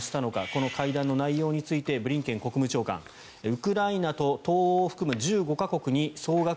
この会談の内容についてブリンケン国務長官ウクライナと東欧を含む１５か国に総額